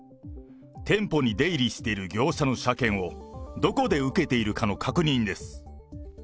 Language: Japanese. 店舗に出入りしている業者の車検を、どこで受けているかの確認です。